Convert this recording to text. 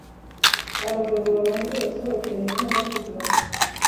abagabo bababanze basohoke nibwo ndavuga